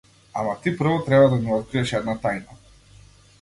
Ама ти прво треба да ми откриеш една тајна!